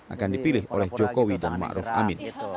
akan dipilih oleh jokowi dan maruf amin